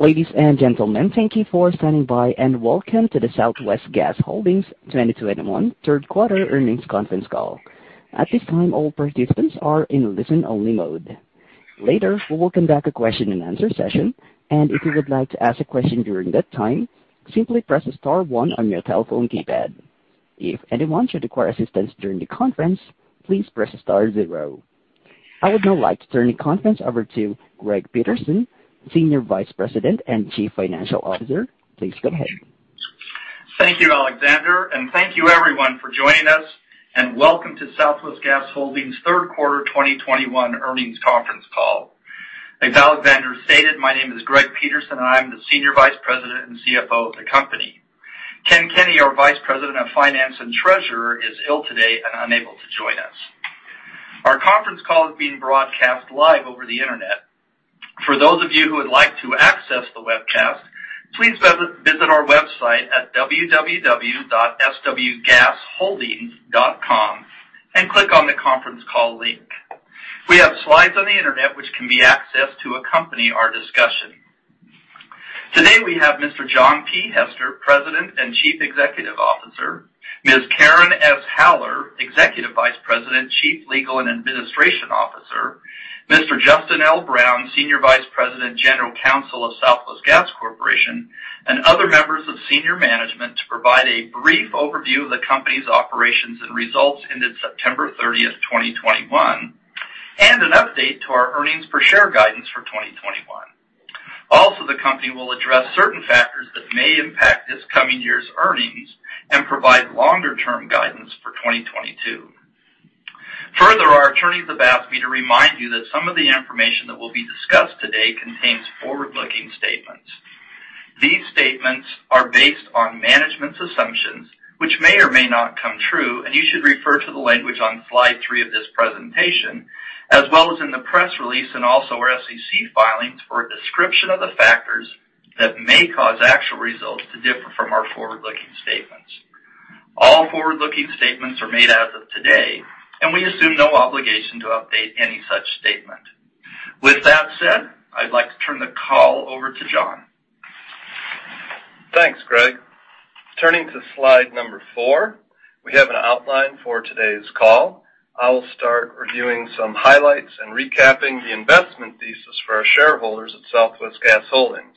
Ladies and gentlemen, thank you for standing by and welcome to the Southwest Gas Holdings 2021 Third Quarter Earnings Conference Call. At this time, all participants are in listen-only mode. Later, we will conduct a question and answer session, and if you would like to ask a question during that time, simply press star one on your telephone keypad. If anyone should require assistance during the conference, please press star zero. I would now like to turn the conference over to Greg Peterson, Senior Vice President and Chief Financial Officer. Please go ahead. Thank you, Alexander, and thank you, everyone, for joining us, and welcome to Southwest Gas Holdings Third Quarter 2021 Earnings Conference Call. As Alexander stated, my name is Greg Peterson, and I'm the Senior Vice President and CFO of the company. Ken Kenny, our Vice President of Finance and Treasurer, is ill today and unable to join us. Our conference call is being broadcast live over the internet. For those of you who would like to access the webcast, please visit our website at www.swgasholdings.com and click on the conference call link. We have slides on the internet which can be accessed to accompany our discussion. Today, we have Mr. John P. Hester, President and Chief Executive Officer; Ms. Karen S. Haller, Executive Vice President, Chief Legal and Administration Officer; Mr. Justin L. Brown, Senior Vice President, General Counsel of Southwest Gas Corporation, and other members of senior management to provide a brief overview of the company's operations and results ended September 30, 2021, and an update to our earnings per share guidance for 2021. Also, the company will address certain factors that may impact this coming year's earnings and provide longer-term guidance for 2022. Further, our attorneys have asked me to remind you that some of the information that will be discussed today contains forward-looking statements. These statements are based on management's assumptions, which may or may not come true, and you should refer to the language on slide three of this presentation, as well as in the press release and also our SEC filings for a description of the factors that may cause actual results to differ from our forward-looking statements. All forward-looking statements are made as of today, and we assume no obligation to update any such statement. With that said, I'd like to turn the call over to John. Thanks, Greg. Turning to slide number four, we have an outline for today's call. I will start reviewing some highlights and recapping the investment thesis for our shareholders at Southwest Gas Holdings.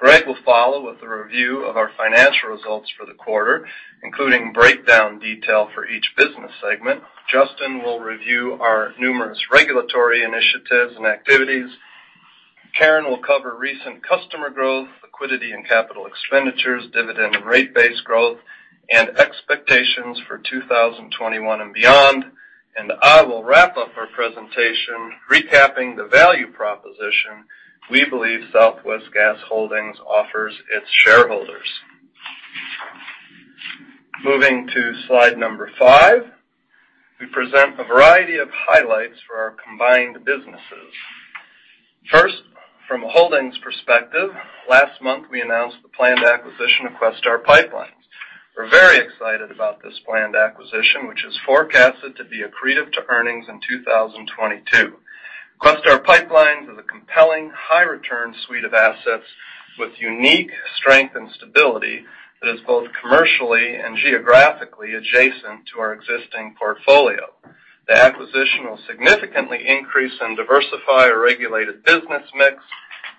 Greg will follow with a review of our financial results for the quarter, including breakdown detail for each business segment. Justin will review our numerous regulatory initiatives and activities. Karen will cover recent customer growth, liquidity and capital expenditures, dividend and rate-based growth, and expectations for 2021 and beyond. I will wrap up our presentation recapping the value proposition we believe Southwest Gas Holdings offers its shareholders. Moving to slide number five, we present a variety of highlights for our combined businesses. First, from a holdings perspective, last month we announced the planned acquisition of Questar Pipeline. We're very excited about this planned acquisition, which is forecasted to be accretive to earnings in 2022. Questar Pipeline is a compelling, high-return suite of assets with unique strength and stability that is both commercially and geographically adjacent to our existing portfolio. The acquisition will significantly increase and diversify our regulated business mix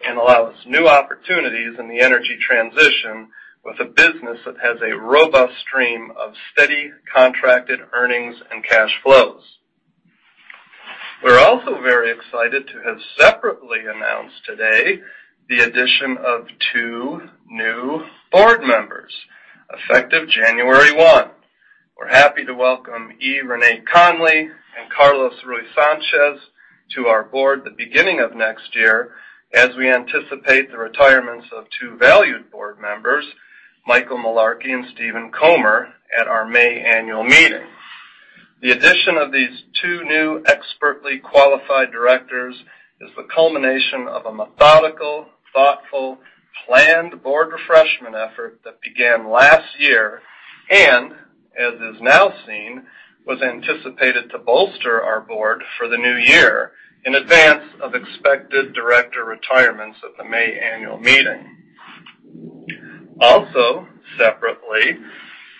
and allow us new opportunities in the energy transition with a business that has a robust stream of steady contracted earnings and cash flows. We're also very excited to have separately announced today the addition of two new board members effective January 1. We're happy to welcome E. Renae Conley and Carlos Ruisanchez to our board the beginning of next year as we anticipate the retirements of two valued board members, Michael Melarkey and Stephen Comer, at our May annual meeting. The addition of these two new expertly qualified directors is the culmination of a methodical, thoughtful, planned board refreshment effort that began last year and, as is now seen, was anticipated to bolster our board for the new year in advance of expected director retirements at the May annual meeting. Also, separately,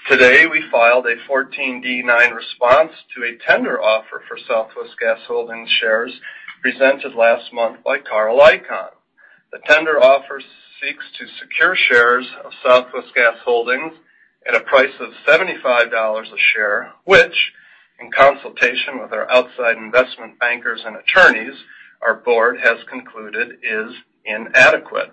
today we filed a 14D9 response to a tender offer for Southwest Gas Holdings shares presented last month by Carl Icahn. The tender offer seeks to secure shares of Southwest Gas Holdings at a price of $75 a share, which, in consultation with our outside investment bankers and attorneys, our board has concluded is inadequate.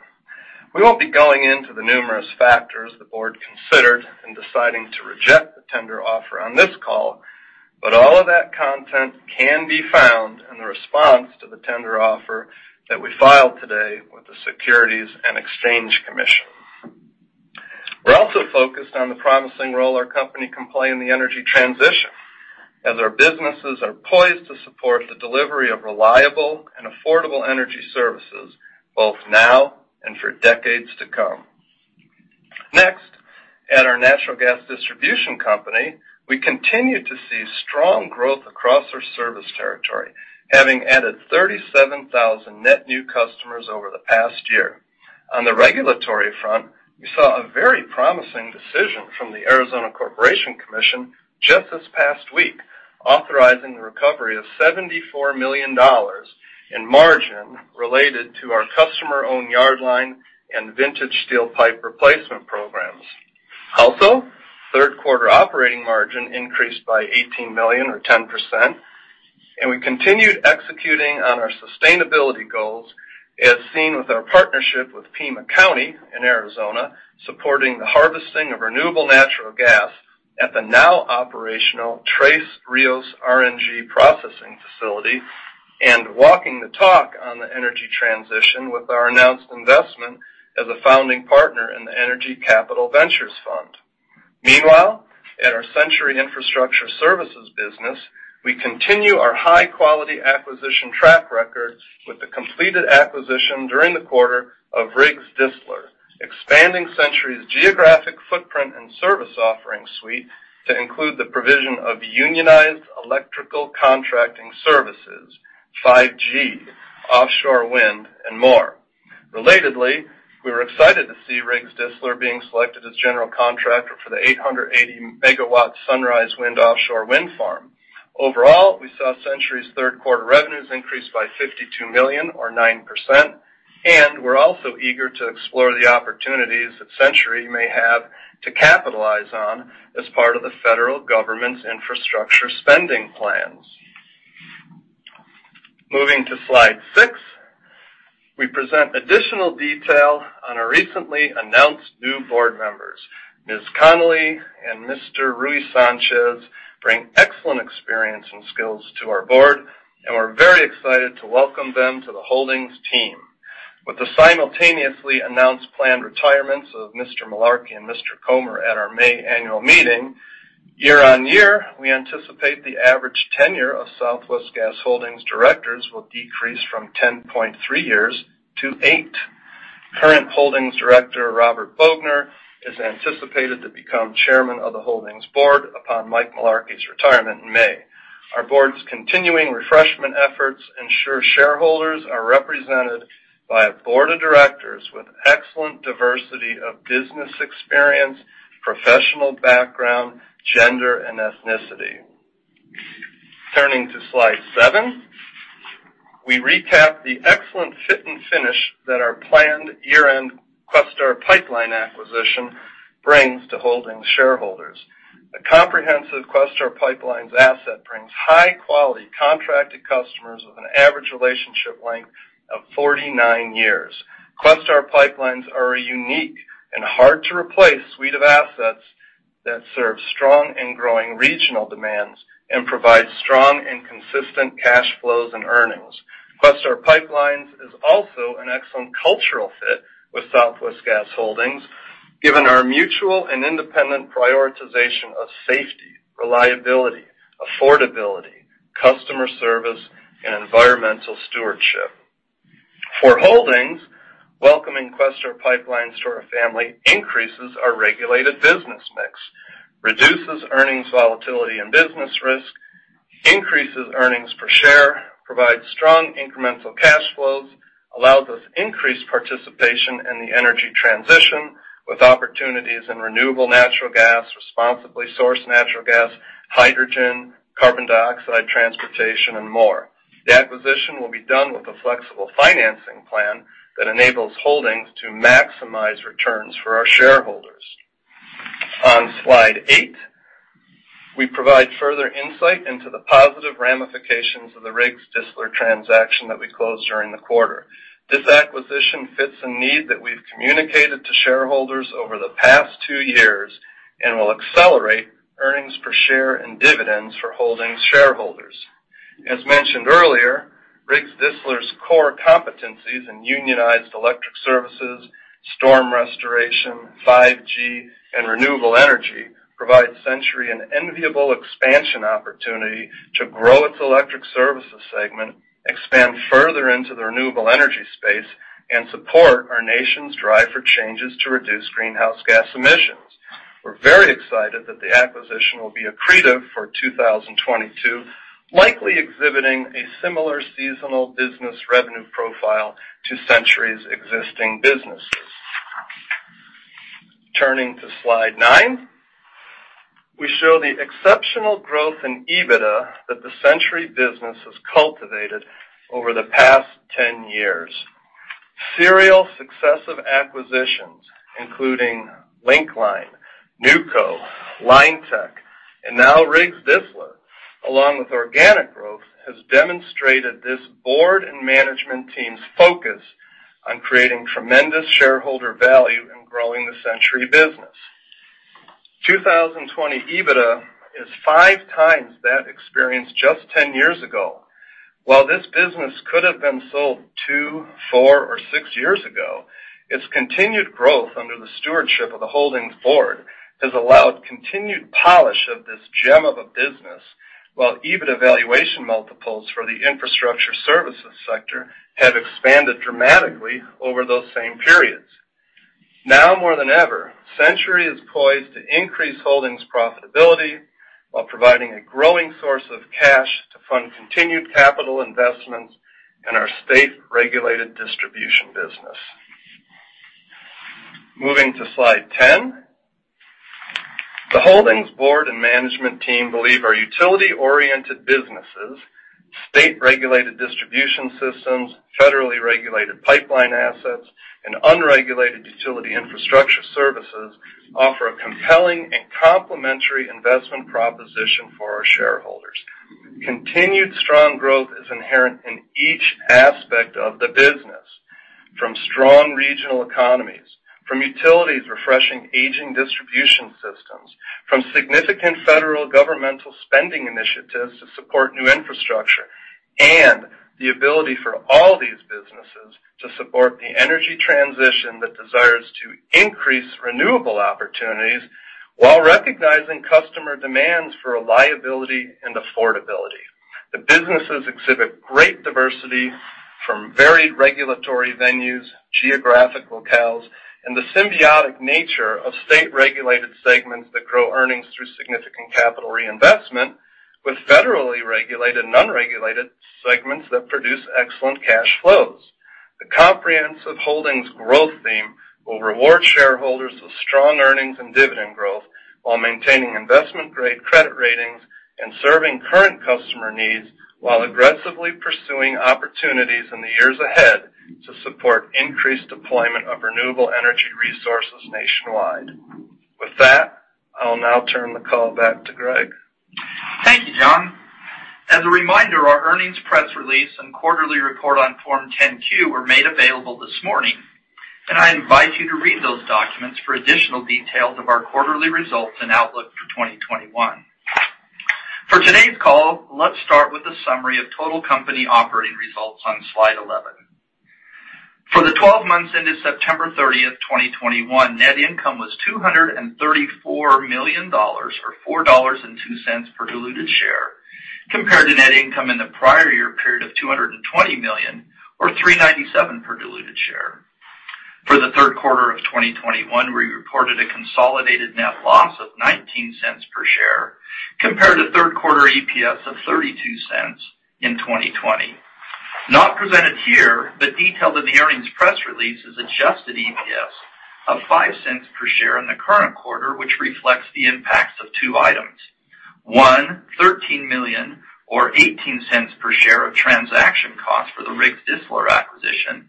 We won't be going into the numerous factors the board considered in deciding to reject the tender offer on this call, but all of that content can be found in the response to the tender offer that we filed today with the Securities and Exchange Commission. We're also focused on the promising role our company can play in the energy transition as our businesses are poised to support the delivery of reliable and affordable energy services both now and for decades to come. Next, at our natural gas distribution company, we continue to see strong growth across our service territory, having added 37,000 net new customers over the past year. On the regulatory front, we saw a very promising decision from the Arizona Corporation Commission just this past week, authorizing the recovery of $74 million in margin related to our customer-owned yard line and vintage steel pipe replacement programs. Also, third quarter operating margin increased by $18 million, or 10%, and we continued executing on our sustainability goals as seen with our partnership with Pima County in Arizona supporting the harvesting of renewable natural gas at the now operational Tres Rios RNG processing facility and walking the talk on the energy transition with our announced investment as a founding partner in the Energy Capital Ventures Fund. Meanwhile, at our Centuri Infrastructure Services business, we continue our high-quality acquisition track record with the completed acquisition during the quarter of Riggs Distler, expanding Centuri's geographic footprint and service offering suite to include the provision of unionized electrical contracting services, 5G, offshore wind, and more. Relatedly, we were excited to see Riggs Distler being selected as general contractor for the 880 megawatt Sunrise Wind offshore wind farm. Overall, we saw Centuri's third quarter revenues increase by $52 million, or 9%, and we're also eager to explore the opportunities that Centuri may have to capitalize on as part of the federal government's infrastructure spending plans. Moving to slide six, we present additional detail on our recently announced new board members. Ms. Conley and Mr. Ruisanchez bring excellent experience and skills to our board, and we're very excited to welcome them to the Holdings team. With the simultaneously announced planned retirements of Mr. Melarkey and Mr. Comer at our May annual meeting, year on year, we anticipate the average tenure of Southwest Gas Holdings directors will decrease from 10.3 years to 8 years. Current Holdings director, Robert Boughner, is anticipated to become chairman of the Holdings board upon Mike Melarkey's retirement in May. Our board's continuing refreshment efforts ensure shareholders are represented by a board of directors with excellent diversity of business experience, professional background, gender, and ethnicity. Turning to slide seven, we recap the excellent fit and finish that our planned year-end Questar Pipeline acquisition brings to holdings shareholders. A comprehensive Questar Pipeline asset brings high-quality contracted customers with an average relationship length of 49 years. Questar Pipelines are a unique and hard to replace suite of assets that serve strong and growing regional demands and provide strong and consistent cash flows and earnings. Questar Pipelines is also an excellent cultural fit with Southwest Gas Holdings, given our mutual and independent prioritization of safety, reliability, affordability, customer service, and environmental stewardship. For Holdings, welcoming Questar Pipeline to our family increases our regulated business mix, reduces earnings volatility and business risk, increases earnings per share, provides strong incremental cash flows, allows us increased participation in the energy transition with opportunities in renewable natural gas, responsibly sourced natural gas, hydrogen, carbon dioxide transportation, and more. The acquisition will be done with a flexible financing plan that enables Holdings to maximize returns for our shareholders. On slide eight, we provide further insight into the positive ramifications of the Riggs Distler transaction that we closed during the quarter. This acquisition fits a need that we've communicated to shareholders over the past two years and will accelerate earnings per share and dividends for Holdings shareholders. As mentioned earlier, Riggs Distler's core competencies in unionized electric services, storm restoration, 5G, and renewable energy provide Centuri an enviable expansion opportunity to grow its electric services segment, expand further into the renewable energy space, and support our nation's drive for changes to reduce greenhouse gas emissions. We're very excited that the acquisition will be accretive for 2022, likely exhibiting a similar seasonal business revenue profile to Centuri's existing businesses. Turning to slide nine, we show the exceptional growth in EBITDA that the Centuri business has cultivated over the past 10 years. Serial successive acquisitions, including Link-Line, Neuco, Linetec, and now Riggs Distler, along with organic growth, have demonstrated this board and management team's focus on creating tremendous shareholder value and growing the Centuri business. 2020 EBITDA is five times that experienced just 10 years ago. While this business could have been sold two, four, or six years ago, its continued growth under the stewardship of the holdings board has allowed continued polish of this gem of a business, while EBITDA valuation multiples for the infrastructure services sector have expanded dramatically over those same periods. Now more than ever, Centuri is poised to increase holdings profitability while providing a growing source of cash to fund continued capital investments in our state-regulated distribution business. Moving to slide 10, the holdings board and management team believe our utility-oriented businesses, state-regulated distribution systems, federally regulated pipeline assets, and unregulated utility infrastructure services offer a compelling and complementary investment proposition for our shareholders. Continued strong growth is inherent in each aspect of the business, from strong regional economies, from utilities refreshing aging distribution systems, from significant federal governmental spending initiatives to support new infrastructure, and the ability for all these businesses to support the energy transition that desires to increase renewable opportunities while recognizing customer demands for reliability and affordability. The businesses exhibit great diversity from varied regulatory venues, geographic locales, and the symbiotic nature of state-regulated segments that grow earnings through significant capital reinvestment, with federally regulated and unregulated segments that produce excellent cash flows. The comprehensive holdings growth theme will reward shareholders with strong earnings and dividend growth while maintaining investment-grade credit ratings and serving current customer needs while aggressively pursuing opportunities in the years ahead to support increased deployment of renewable energy resources nationwide. With that, I'll now turn the call back to Greg. Thank you, John. As a reminder, our earnings press release and quarterly report on Form 10-Q were made available this morning, and I invite you to read those documents for additional details of our quarterly results and outlook for 2021. For today's call, let's start with a summary of total company operating results on slide 11. For the 12 months ended September 30, 2021, net income was $234 million, or $4.02 per diluted share, compared to net income in the prior year period of $220 million, or $3.97 per diluted share. For the third quarter of 2021, we reported a consolidated net loss of $0.19 per share, compared to third quarter EPS of $0.32 in 2020. Not presented here, but detailed in the earnings press release, is adjusted EPS of $0.05 per share in the current quarter, which reflects the impacts of two items. One, $13 million, or $0.18 per share of transaction costs for the Riggs Distler acquisition,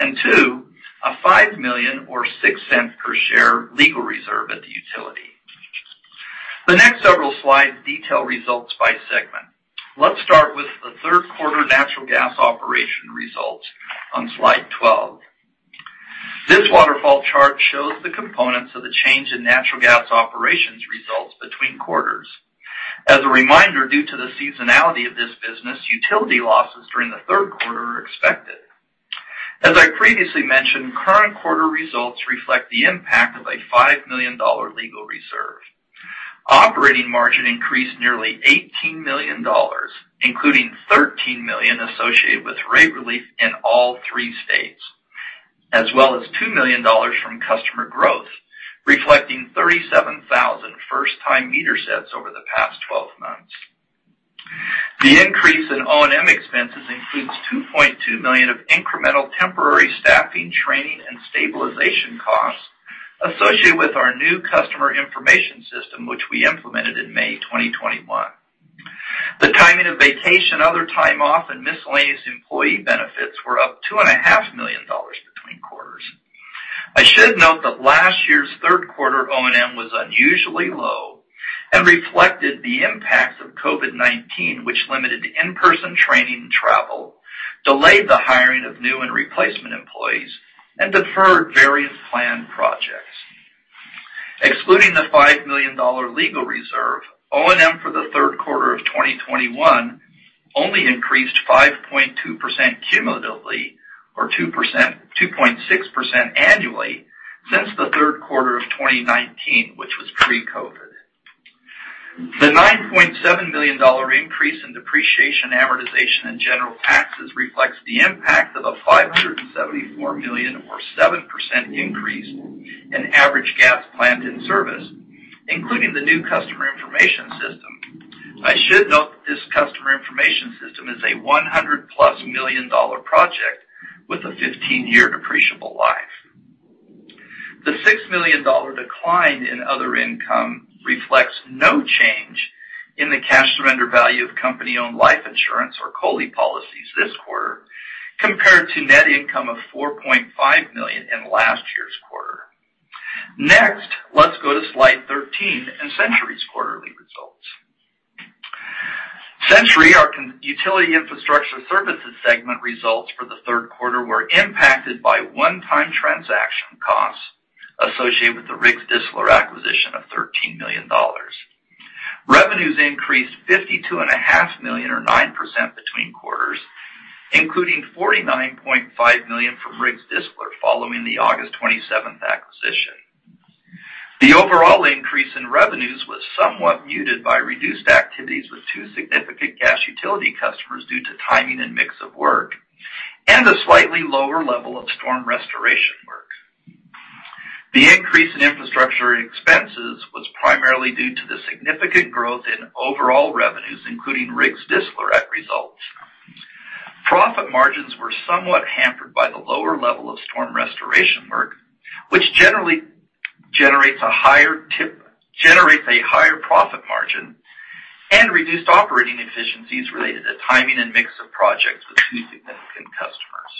and two, a $5 million, or $0.06 per share legal reserve at the utility. The next several slides detail results by segment. Let's start with the third quarter natural gas operation results on slide 12. This waterfall chart shows the components of the change in natural gas operations results between quarters. As a reminder, due to the seasonality of this business, utility losses during the third quarter are expected. As I previously mentioned, current quarter results reflect the impact of a $5 million legal reserve. Operating margin increased nearly $18 million, including $13 million associated with rate relief in all three states, as well as $2 million from customer growth, reflecting 37,000 first-time meter sets over the past 12 months. The increase in O&M expenses includes $2.2 million of incremental temporary staffing, training, and stabilization costs associated with our new customer information system, which we implemented in May 2021. The timing of vacation, other time off, and miscellaneous employee benefits were up $2.5 million between quarters. I should note that last year's third quarter O&M was unusually low and reflected the impacts of COVID-19, which limited in-person training and travel, delayed the hiring of new and replacement employees, and deferred various planned projects. Excluding the $5 million legal reserve, O&M for the third quarter of 2021 only increased 5.2% cumulatively, or 2.6% annually, since the third quarter of 2019, which was pre-COVID. The $9.7 million increase in depreciation, amortization, and general taxes reflects the impact of a $574 million, or 7% increase, in average gas plant in service, including the new customer information system. I should note that this customer information system is a $100 million-plus project with a 15-year depreciable life. The $6 million decline in other income reflects no change in the cash surrender value of company-owned life insurance or COLI policies this quarter, compared to net income of $4.5 million in last year's quarter. Next, let's go to slide 13 and Centuri's quarterly results. Centuri, our utility infrastructure services segment results for the third quarter, were impacted by one-time transaction costs associated with the Riggs Distler acquisition of $13 million. Revenues increased $52.5 million, or 9% between quarters, including $49.5 million from Riggs Distler following the August 27 acquisition. The overall increase in revenues was somewhat muted by reduced activities with two significant gas utility customers due to timing and mix of work, and a slightly lower level of storm restoration work. The increase in infrastructure expenses was primarily due to the significant growth in overall revenues, including Riggs Distler results. Profit margins were somewhat hampered by the lower level of storm restoration work, which generally generates a higher profit margin and reduced operating efficiencies related to timing and mix of projects with two significant customers.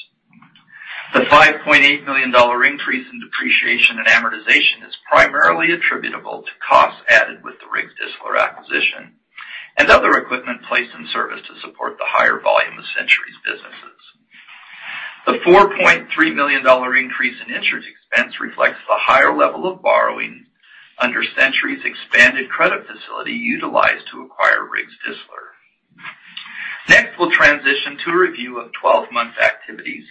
The $5.8 million increase in depreciation and amortization is primarily attributable to costs added with the Riggs Distler acquisition and other equipment placed in service to support the higher volume of Centuri's businesses. The $4.3 million increase in interest expense reflects the higher level of borrowing under Centuri's expanded credit facility utilized to acquire Riggs Distler. Next, we'll transition to a review of 12-month activities,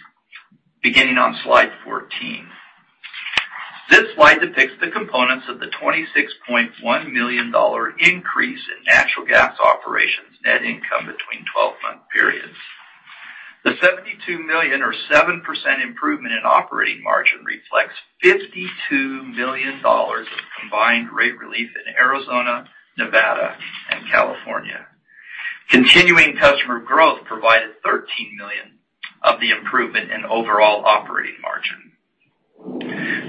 beginning on slide 14. This slide depicts the components of the $26.1 million increase in natural gas operations net income between 12-month periods. The $72 million, or 7% improvement in operating margin, reflects $52 million of combined rate relief in Arizona, Nevada, and California. Continuing customer growth provided $13 million of the improvement in overall operating margin.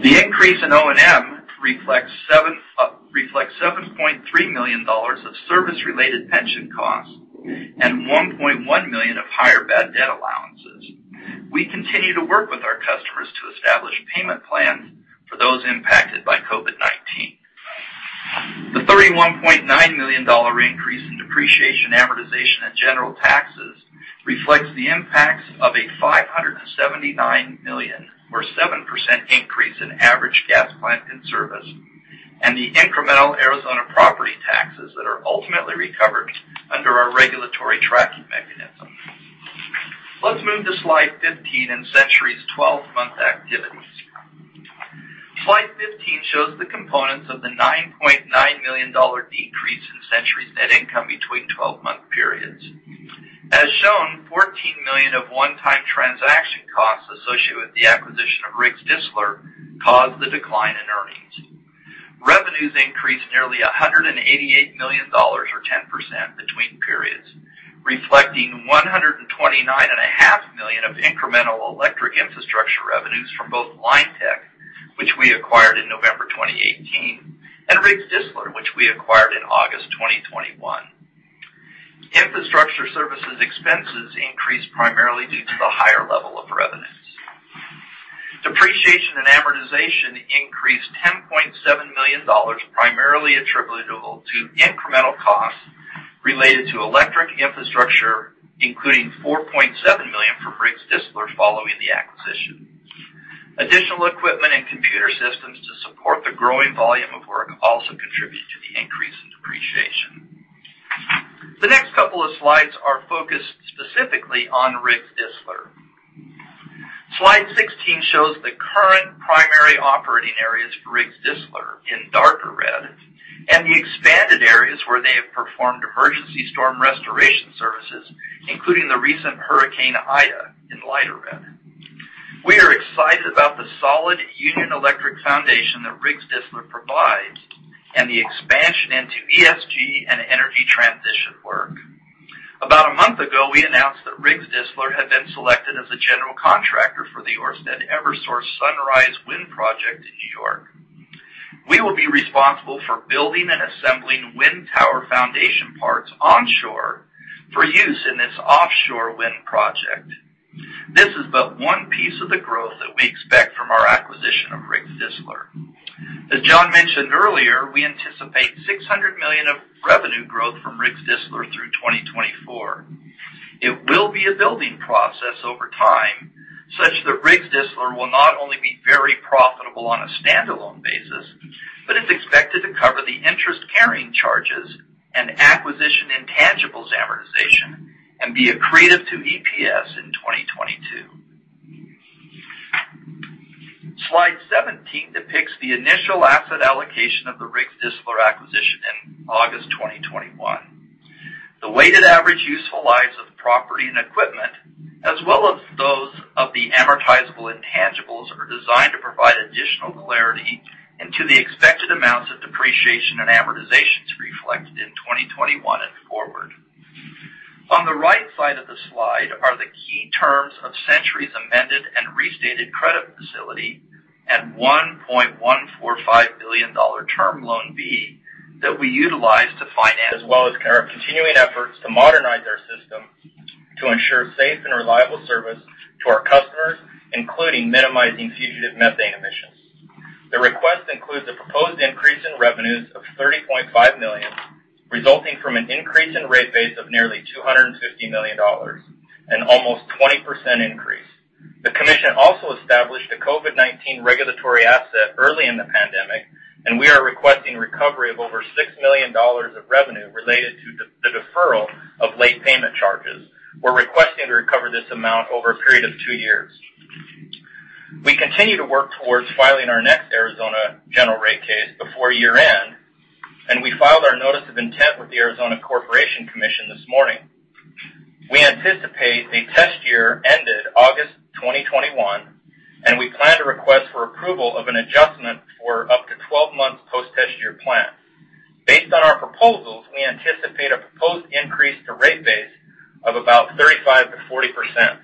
The increase in O&M reflects $7.3 million of service-related pension costs and $1.1 million of higher bad debt allowances. We continue to work with our customers to establish payment plans for those impacted by COVID-19. The $31.9 million increase in depreciation, amortization, and general taxes reflects the impacts of a $579 million, or 7% increase in average gas plant in service, and the incremental Arizona property taxes that are ultimately recovered under our regulatory tracking mechanism. Let's move to slide 15 and Centuri's 12-month activities. Slide 15 shows the components of the $9.9 million decrease in Centuri's net income between 12-month periods. As shown, $14 million of one-time transaction costs associated with the acquisition of Riggs Distler caused the decline in earnings. Revenues increased nearly $188 million, or 10%, between periods, reflecting $129.5 million of incremental electric infrastructure revenues from both Linetec, which we acquired in November 2018, and Riggs Distler, which we acquired in August 2021. Infrastructure services expenses increased primarily due to the higher level of revenues. Depreciation and amortization increased $10.7 million, primarily attributable to incremental costs related to electric infrastructure, including $4.7 million from Riggs Distler following the acquisition. Additional equipment and computer systems to support the growing volume of work also contributed to the increase in depreciation. The next couple of slides are focused specifically on Riggs Distler. Slide 16 shows the current primary operating areas for Riggs Distler in darker red and the expanded areas where they have performed emergency storm restoration services, including the recent Hurricane Ida in lighter red. We are excited about the solid union electric foundation that Riggs Distler provides and the expansion into ESG and energy transition work. About a month ago, we announced that Riggs Distler had been selected as a general contractor for the Orsted Eversource Sunrise Wind Project in New York. We will be responsible for building and assembling wind tower foundation parts onshore for use in this offshore wind project. This is but one piece of the growth that we expect from our acquisition of Riggs Distler. As John mentioned earlier, we anticipate $600 million of revenue growth from Riggs Distler through 2024. It will be a building process over time such that Riggs Distler will not only be very profitable on a standalone basis, but it's expected to cover the interest-carrying charges and acquisition intangibles amortization and be accretive to EPS in 2022. Slide 17 depicts the initial asset allocation of the Riggs Distler acquisition in August 2021. The weighted average useful lives of property and equipment, as well as those of the amortizable intangibles, are designed to provide additional clarity into the expected amounts of depreciation and amortization to be reflected in 2021 and forward. On the right side of the slide are the key terms of Centuri's amended and restated credit facility and $1.145 billion term loan B that we utilize to finance, as well as our continuing efforts to modernize our system to ensure safe and reliable service to our customers, including minimizing fugitive methane emissions. The request includes a proposed increase in revenues of $30.5 million, resulting from an increase in rate base of nearly $250 million, an almost 20% increase. The commission also established a COVID-19 regulatory asset early in the pandemic, and we are requesting recovery of over $6 million of revenue related to the deferral of late payment charges. We're requesting to recover this amount over a period of two years. We continue to work towards filing our next Arizona general rate case before year-end, and we filed our notice of intent with the Arizona Corporation Commission this morning. We anticipate the test year ended August 2021, and we plan to request for approval of an adjustment for up to 12 months post-test year plan. Based on our proposals, we anticipate a proposed increase to rate base of about 35% to 40%.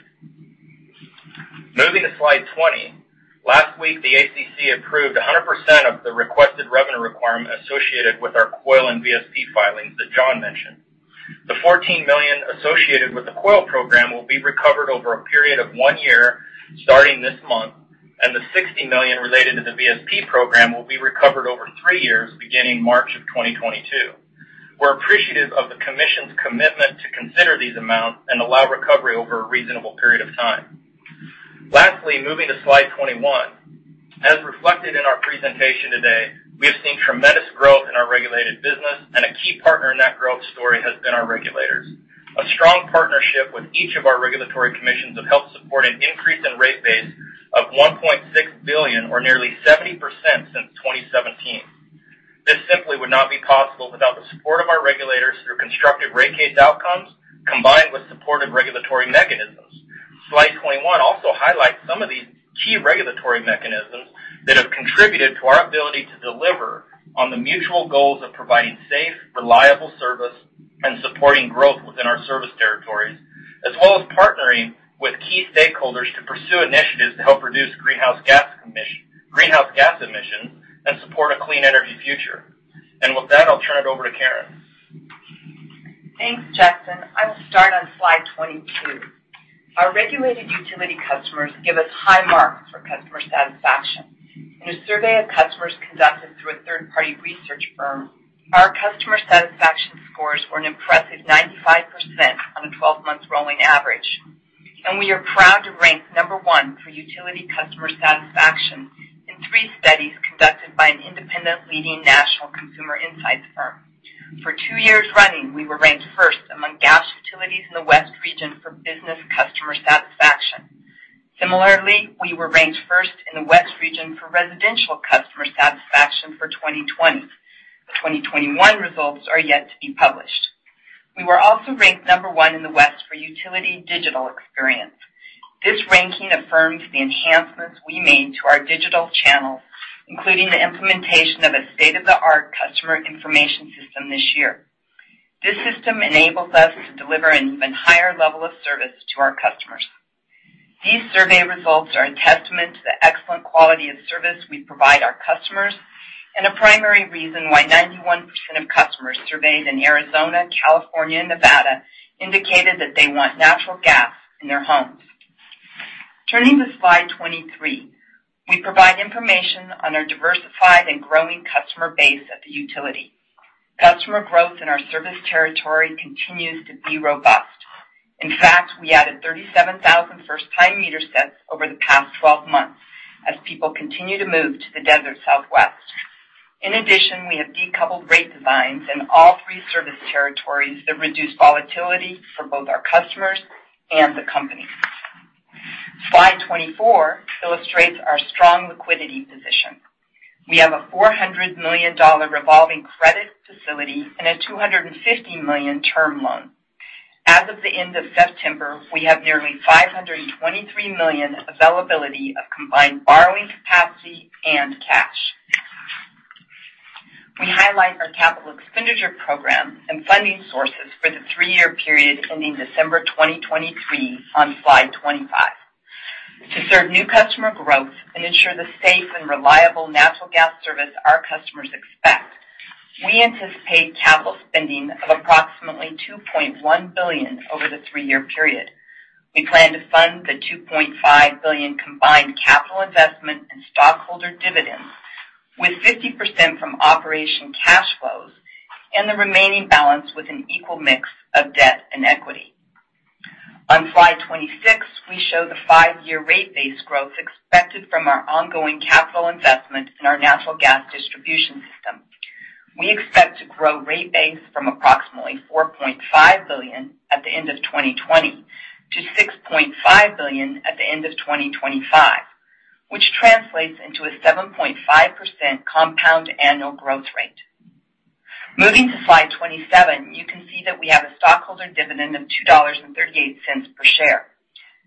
Moving to slide 20, last week, the ACC approved 100% of the requested revenue requirement associated with our COYL and VSP filings that John mentioned. The $14 million associated with the COYL program will be recovered over a period of one year starting this month, and the $60 million related to the VSP program will be recovered over three years beginning March of 2022. We're appreciative of the commission's commitment to consider these amounts and allow recovery over a reasonable period of time. Lastly, moving to slide 21, as reflected in our presentation today, we have seen tremendous growth in our regulated business, and a key partner in that growth story has been our regulators. A strong partnership with each of our regulatory commissions has helped support an increase in rate base of $1.6 billion, or nearly 70% since 2017. This simply would not be possible without the support of our regulators through constructive rate case outcomes combined with supportive regulatory mechanisms. Slide 21 also highlights some of these key regulatory mechanisms that have contributed to our ability to deliver on the mutual goals of providing safe, reliable service and supporting growth within our service territories, as well as partnering with key stakeholders to pursue initiatives to help reduce greenhouse gas emissions and support a clean energy future. I'll turn it over to Karen. Thanks, Justin. I will start on slide 22. Our regulated utility customers give us high marks for customer satisfaction. In a survey of customers conducted through a third-party research firm, our customer satisfaction scores were an impressive 95% on a 12-month rolling average, and we are proud to rank number one for utility customer satisfaction in three studies conducted by an independent leading national consumer insights firm. For two years running, we were ranked first among gas utilities in the West region for business customer satisfaction. Similarly, we were ranked first in the West region for residential customer satisfaction for 2020. The 2021 results are yet to be published. We were also ranked number one in the West for utility digital experience. This ranking affirms the enhancements we made to our digital channels, including the implementation of a state of the art customer information system this year. This system enables us to deliver an even higher level of service to our customers. These survey results are a testament to the excellent quality of service we provide our customers and a primary reason why 91% of customers surveyed in Arizona, California, and Nevada indicated that they want natural gas in their homes. Turning to slide 23, we provide information on our diversified and growing customer base at the utility. Customer growth in our service territory continues to be robust. In fact, we added 37,000 first-time meter sets over the past 12 months as people continue to move to the desert Southwest. In addition, we have decoupled rate designs in all three service territories that reduce volatility for both our customers and the company. Slide 24 illustrates our strong liquidity position. We have a $400 million revolving credit facility and a $250 million term loan. As of the end of September, we have nearly $523 million availability of combined borrowing capacity and cash. We highlight our capital expenditure program and funding sources for the three-year period ending December 2023 on slide 25. To serve new customer growth and ensure the safe and reliable natural gas service our customers expect, we anticipate capital spending of approximately $2.1 billion over the three-year period. We plan to fund the $2.5 billion combined capital investment and stockholder dividends with 50% from operation cash flows and the remaining balance with an equal mix of debt and equity. On slide 26, we show the five-year rate base growth expected from our ongoing capital investment in our natural gas distribution system. We expect to grow rate base from approximately $4.5 billion at the end of 2020 to $6.5 billion at the end of 2025, which translates into a 7.5% compound annual growth rate. Moving to slide 27, you can see that we have a stockholder dividend of $2.38 per share.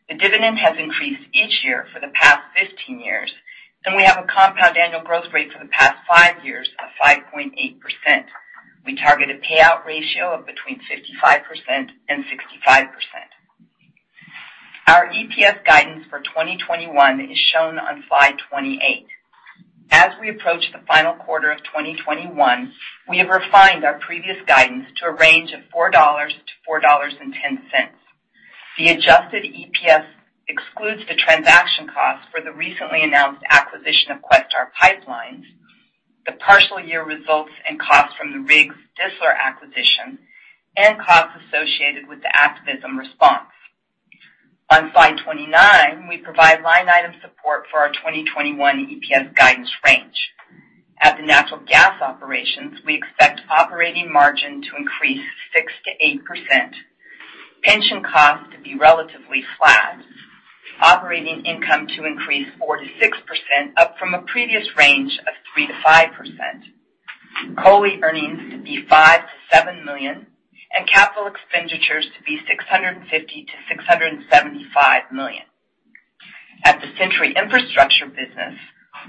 The dividend has increased each year for the past 15 years, and we have a compound annual growth rate for the past five years of 5.8%. We target a payout ratio of between 55% and 65%. Our EPS guidance for 2021 is shown on slide 28. As we approach the final quarter of 2021, we have refined our previous guidance to a range of $4 to $4.10. The adjusted EPS excludes the transaction costs for the recently announced acquisition of Questar Pipeline, the partial year results and costs from the Riggs Distler acquisition, and costs associated with the activism response. On slide 29, we provide line item support for our 2021 EPS guidance range. At the natural gas operations, we expect operating margin to increase 6% to 8%, pension costs to be relatively flat, operating income to increase 4% to 6% up from a previous range of 3% to 5%, COLl earnings to be $5 to $7 million, and capital expenditures to be $650 to $675 million. At the Centuri Infrastructure business,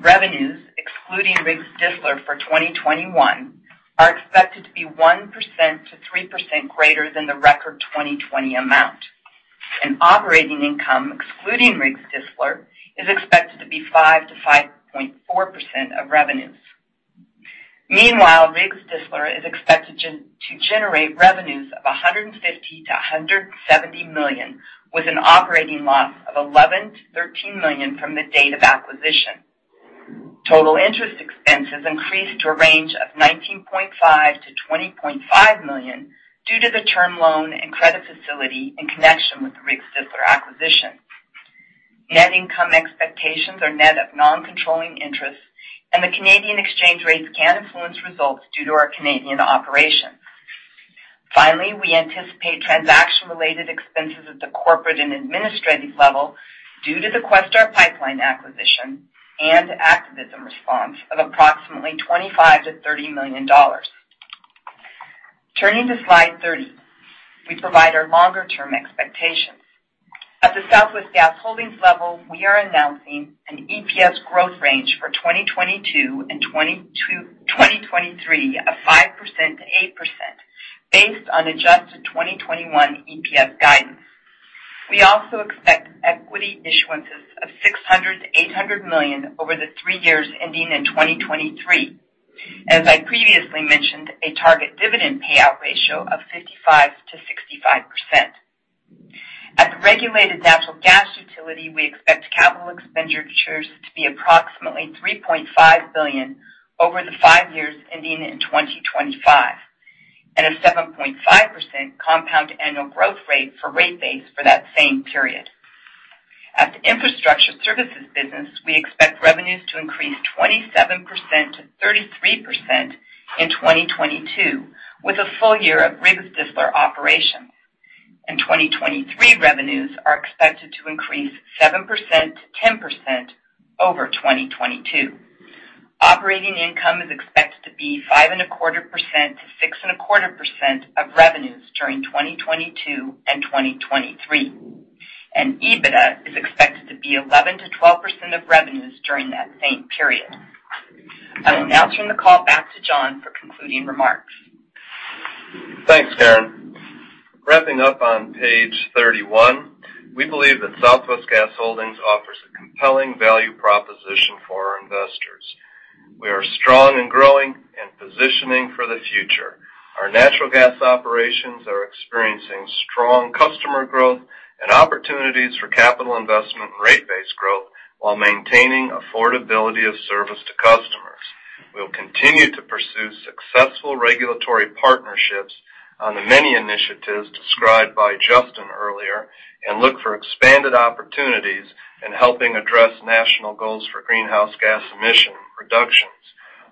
revenues, excluding Riggs Distler for 2021, are expected to be 1% to 3% greater than the record 2020 amount. Operating income, excluding Riggs Distler, is expected to be 5% to 5.4% of revenues. Meanwhile, Riggs Distler is expected to generate revenues of $150 to $170 million with an operating loss of $11 to $13 million from the date of acquisition. Total interest expenses increased to a range of $19.5 to $20.5 million due to the term loan and credit facility in connection with the Riggs Distler acquisition. Net income expectations are net of non-controlling interest, and the Canadian exchange rates can influence results due to our Canadian operations. Finally, we anticipate transaction-related expenses at the corporate and administrative level due to the Questar Pipeline acquisition and activism response of approximately $25 to $30 million. Turning to slide 30, we provide our longer-term expectations. At the Southwest Gas Holdings level, we are announcing an EPS growth range for 2022 and 2023 of 5% to 8% based on adjusted 2021 EPS guidance. We also expect equity issuances of $600 million to $800 million over the three years ending in 2023, and as I previously mentioned, a target dividend payout ratio of 55% to 65%. At the regulated natural gas utility, we expect capital expenditures to be approximately $3.5 billion over the five years ending in 2025 and a 7.5% compound annual growth rate for rate base for that same period. At the infrastructure services business, we expect revenues to increase 27% to 33% in 2022 with a full year of Riggs Distler operation. 2023 revenues are expected to increase 7% to 10% over 2022. Operating income is expected to be 5.25% to 6.25% of revenues during 2022 and 2023. EBITDA is expected to be 11% to 12% of revenues during that same period. I will now turn the call back to John for concluding remarks. Thanks, Karen. Wrapping up on page 31, we believe that Southwest Gas Holdings offers a compelling value proposition for our investors. We are strong and growing and positioning for the future. Our natural gas operations are experiencing strong customer growth and opportunities for capital investment and rate base growth while maintaining affordability of service to customers. We will continue to pursue successful regulatory partnerships on the many initiatives described by Justin earlier and look for expanded opportunities in helping address national goals for greenhouse gas emission reductions.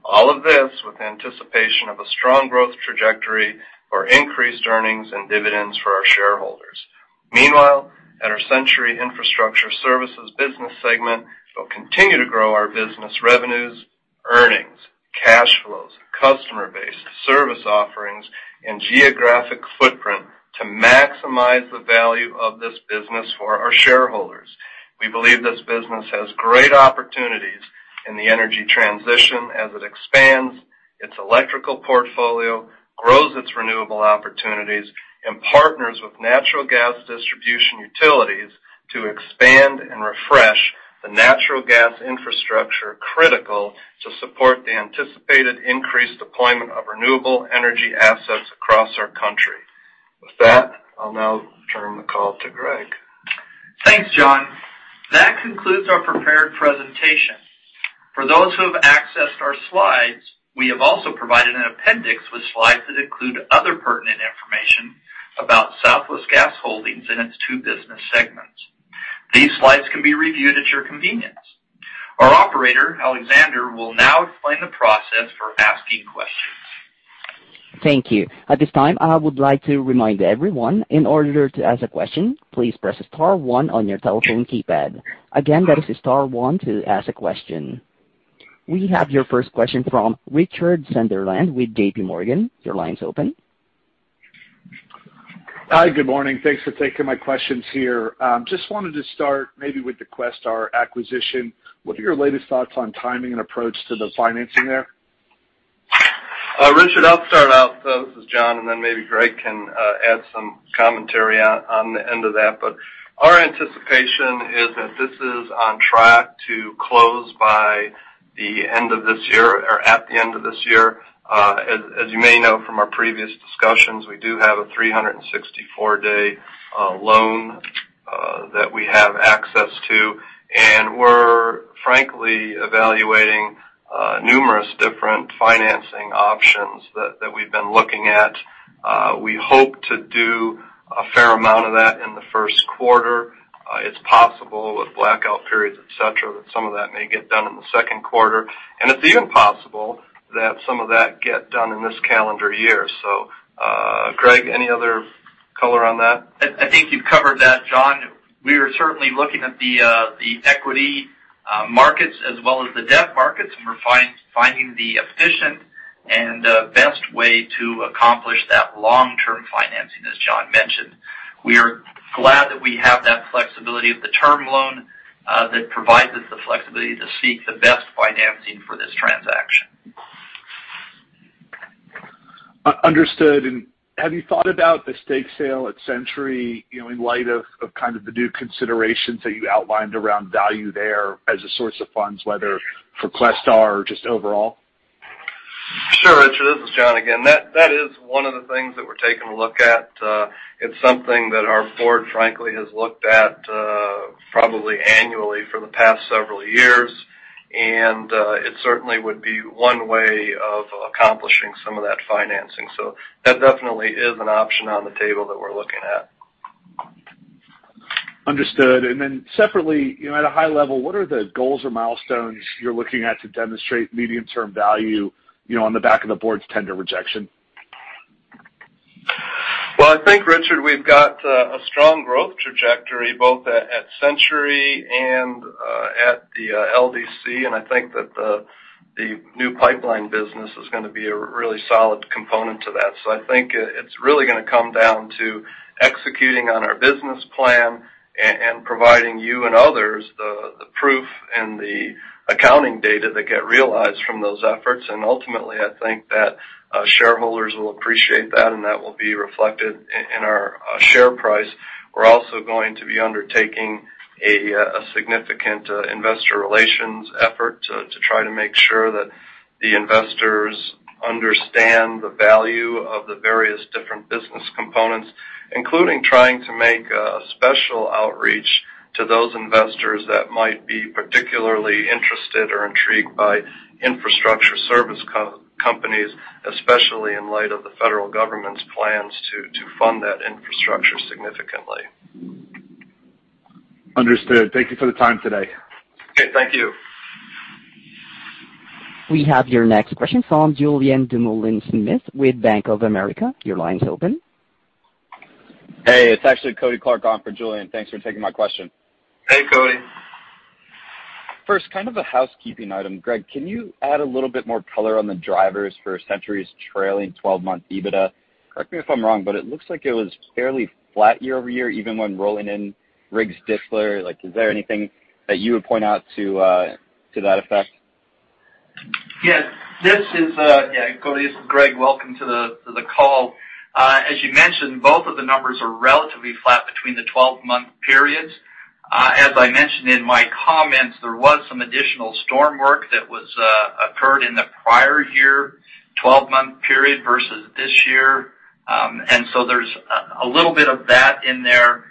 All of this with anticipation of a strong growth trajectory or increased earnings and dividends for our shareholders. Meanwhile, at our Centuri Infrastructure Services business segment, we will continue to grow our business revenues, earnings, cash flows, customer base, service offerings, and geographic footprint to maximize the value of this business for our shareholders. We believe this business has great opportunities in the energy transition as it expands its electrical portfolio, grows its renewable opportunities, and partners with natural gas distribution utilities to expand and refresh the natural gas infrastructure critical to support the anticipated increased deployment of renewable energy assets across our country. With that, I'll now turn the call to Greg. Thanks, John. That concludes our prepared presentation. For those who have accessed our slides, we have also provided an appendix with slides that include other pertinent information about Southwest Gas Holdings and its two business segments. These slides can be reviewed at your convenience. Our operator, Alexander, will now explain the process for asking questions. Thank you. At this time, I would like to remind everyone, in order to ask a question, please press star one on your telephone keypad. Again, that is star one to ask a question. We have your first question from Richard Sunderland with J.P. Morgan. Your line is open. Hi, good morning. Thanks for taking my questions here. Just wanted to start maybe with the Questar acquisition. What are your latest thoughts on timing and approach to the financing there? Richard, I'll start out. This is John, and then maybe Greg can add some commentary on the end of that. Our anticipation is that this is on track to close by the end of this year or at the end of this year. As you may know from our previous discussions, we do have a 364-day loan that we have access to, and we're frankly evaluating numerous different financing options that we've been looking at. We hope to do a fair amount of that in the first quarter. It's possible with blackout periods, etc., that some of that may get done in the second quarter. It's even possible that some of that get done in this calendar year. Greg, any other color on that? I think you've covered that, John. We are certainly looking at the equity markets as well as the debt markets and finding the efficient and best way to accomplish that long-term financing, as John mentioned. We are glad that we have that flexibility of the term loan that provides us the flexibility to seek the best financing for this transaction. Understood. Have you thought about the stake sale at Centuri in light of kind of the new considerations that you outlined around value there as a source of funds, whether for Questar or just overall? Sure. Richard, this is John again. That is one of the things that we're taking a look at. It's something that our board, frankly, has looked at probably annually for the past several years, and it certainly would be one way of accomplishing some of that financing. That definitely is an option on the table that we're looking at. Understood. Then separately, at a high level, what are the goals or milestones you're looking at to demonstrate medium-term value on the back of the board's tender rejection? I think, Richard, we've got a strong growth trajectory both at Centuri and at the LDC, and I think that the new pipeline business is going to be a really solid component to that. I think it's really going to come down to executing on our business plan and providing you and others the proof and the accounting data that get realized from those efforts. Ultimately, I think that shareholders will appreciate that, and that will be reflected in our share price. We're also going to be undertaking a significant investor relations effort to try to make sure that the investors understand the value of the various different business components, including trying to make a special outreach to those investors that might be particularly interested or intrigued by infrastructure service companies, especially in light of the federal government's plans to fund that infrastructure significantly. Understood. Thank you for the time today. Okay. Thank you. We have your next question from Julien Dumoulin Smith with Bank of America. Your line is open. Hey, it's actually Cody Clark on for Julien. Thanks for taking my question. Hey, Cody. First, kind of a housekeeping item. Greg, can you add a little bit more color on the drivers for Centuri's trailing 12-month EBITDA? Correct me if I'm wrong, but it looks like it was fairly flat year-over-year, even when rolling in Riggs Distler. Is there anything that you would point out to that effect? Yeah. This is Cody and Greg. Welcome to the call. As you mentioned, both of the numbers are relatively flat between the 12-month periods. As I mentioned in my comments, there was some additional storm work that occurred in the prior year 12-month period versus this year. There is a little bit of that in there.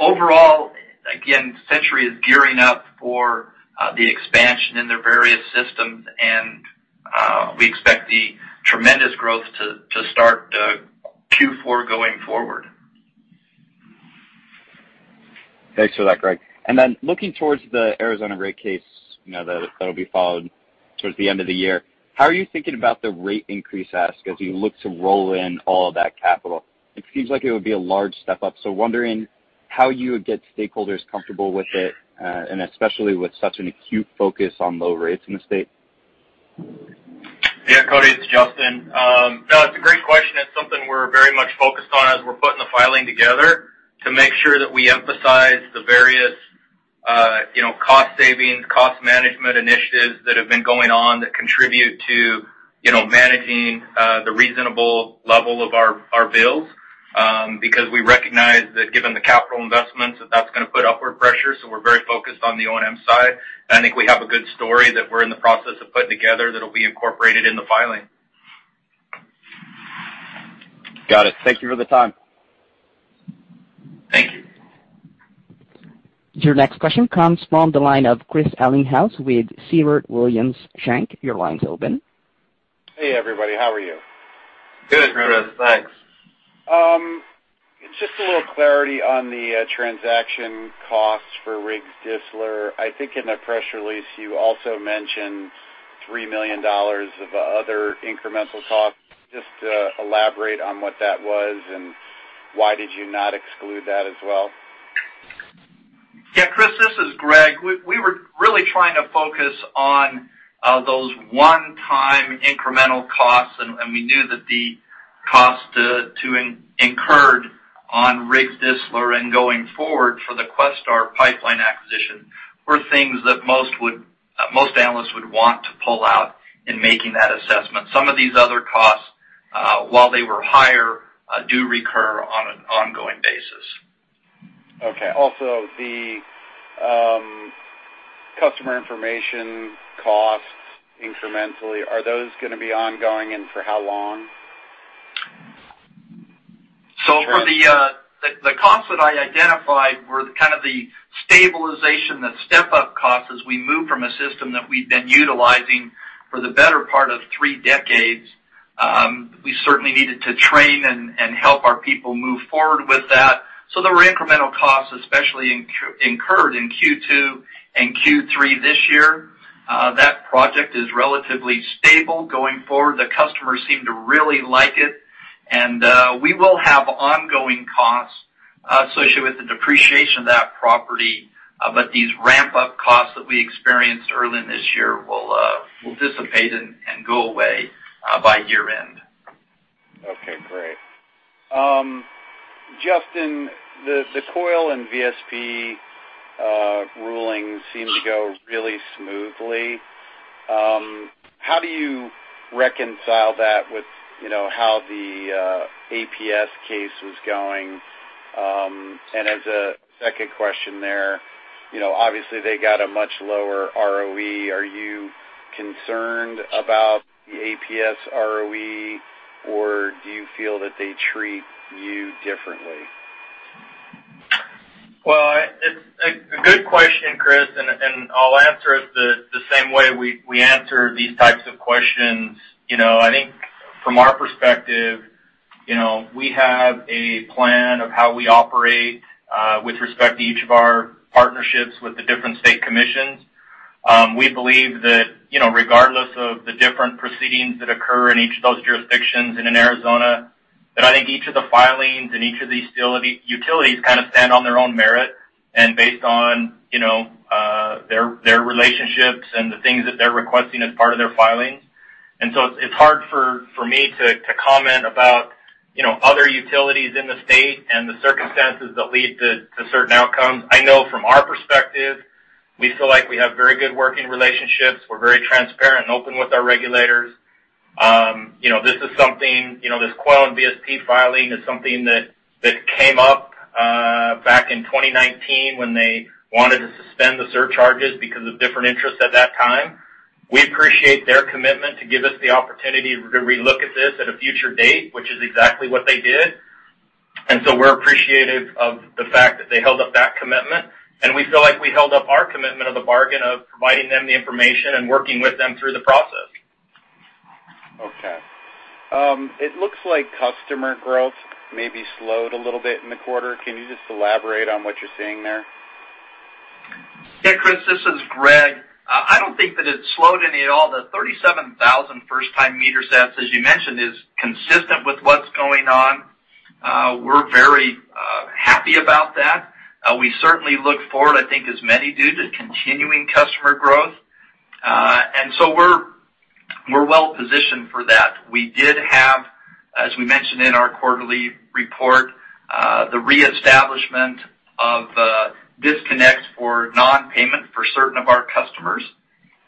Overall, again, Centuri is gearing up for the expansion in their various systems, and we expect the tremendous growth to start Q4 going forward. Thanks for that, Greg. Looking towards the Arizona rate case that will be filed towards the end of the year, how are you thinking about the rate increase ask as you look to roll in all of that capital? It seems like it would be a large step up. I am wondering how you would get stakeholders comfortable with it, especially with such an acute focus on low rates in the state. Yeah, Cody, it's Justin. No, it's a great question. It's something we're very much focused on as we're putting the filing together to make sure that we emphasize the various cost savings, cost management initiatives that have been going on that contribute to managing the reasonable level of our bills because we recognize that given the capital investments, that is going to put upward pressure. We are very focused on the O&M side. I think we have a good story that we're in the process of putting together that'll be incorporated in the filing. Got it. Thank you for the time. Thank you. Your next question comes from the line of Chris Ellinghaus with Siebert Williams Shank. Your line is open. Hey, everybody. How are you? Good, Chris. Thanks. Just a little clarity on the transaction costs for Riggs Distler. I think in the press release, you also mentioned $3 million of other incremental costs. Just elaborate on what that was and why did you not exclude that as well? Yeah, Chris, this is Greg. We were really trying to focus on those one-time incremental costs, and we knew that the costs incurred on Riggs Distler and going forward for the Questar Pipeline acquisition were things that most analysts would want to pull out in making that assessment. Some of these other costs, while they were higher, do recur on an ongoing basis. Okay. Also, the customer information costs incrementally, are those going to be ongoing and for how long? For the costs that I identified were kind of the stabilization, the step-up costs as we moved from a system that we'd been utilizing for the better part of three decades. We certainly needed to train and help our people move forward with that. There were incremental costs, especially incurred in Q2 and Q3 this year. That project is relatively stable going forward. The customers seem to really like it. We will have ongoing costs associated with the depreciation of that property, but these ramp-up costs that we experienced early in this year will dissipate and go away by year-end. Okay. Great. Justin, the COYL and VSP rulings seem to go really smoothly. How do you reconcile that with how the APS case was going? As a second question there, obviously, they got a much lower ROE. Are you concerned about the APS ROE, or do you feel that they treat you differently? It is a good question, Chris, and I'll answer it the same way we answer these types of questions. I think from our perspective, we have a plan of how we operate with respect to each of our partnerships with the different state commissions. We believe that regardless of the different proceedings that occur in each of those jurisdictions in Arizona, I think each of the filings and each of the utilities kind of stand on their own merit and based on their relationships and the things that they're requesting as part of their filings. It is hard for me to comment about other utilities in the state and the circumstances that lead to certain outcomes. I know from our perspective, we feel like we have very good working relationships. We are very transparent and open with our regulators. This COYL and VSP filing is something that came up back in 2019 when they wanted to suspend the surcharges because of different interests at that time. We appreciate their commitment to give us the opportunity to relook at this at a future date, which is exactly what they did. We are appreciative of the fact that they held up that commitment. We feel like we held up our commitment of the bargain of providing them the information and working with them through the process. Okay. It looks like customer growth maybe slowed a little bit in the quarter. Can you just elaborate on what you're seeing there? Yeah, Chris, this is Greg. I don't think that it slowed any at all. The 37,000 first-time meter sets, as you mentioned, is consistent with what's going on. We're very happy about that. We certainly look forward, I think as many do, to continuing customer growth. We are well-positioned for that. We did have, as we mentioned in our quarterly report, the reestablishment of disconnects for non-payment for certain of our customers.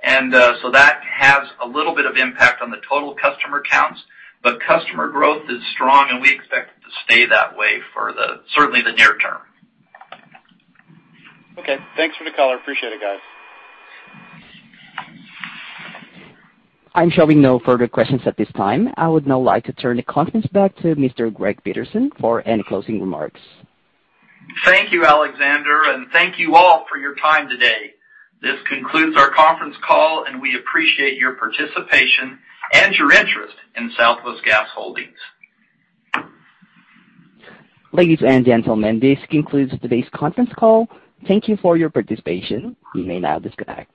That has a little bit of impact on the total customer counts, but customer growth is strong, and we expect it to stay that way for certainly the near term. Okay. Thanks for the call. I appreciate it, guys. I'm showing no further questions at this time. I would now like to turn the conference back to Mr. Greg Peterson for any closing remarks. Thank you, Alexander, and thank you all for your time today. This concludes our conference call, and we appreciate your participation and your interest in Southwest Gas Holdings. Ladies and gentlemen, this concludes today's conference call. Thank you for your participation. You may now disconnect.